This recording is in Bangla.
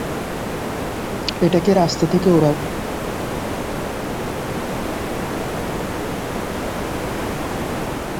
এটাকে রাস্তা থেকে উড়াও!